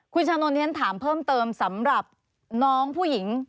คุณชะนวลหึยัลถามเพิ่มเติมสำหรับน้องผู้หญิง